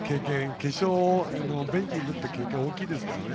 決勝のベンチにいるっていう経験、大きいですからね。